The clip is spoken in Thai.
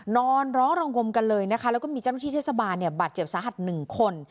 นอนร้องระงมกันเลยนะคะแล้วก็มีเจ้าหน้าที่เทศบาลเนี่ยบาดเจ็บสาหัสหนึ่งคน